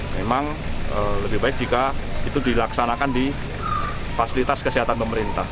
memang lebih baik jika itu dilaksanakan di fasilitas kesehatan pemerintah